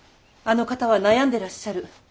あの方は悩んでらっしゃる。